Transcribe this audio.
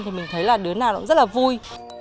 thì mình thấy là đứa nào cũng rất là vui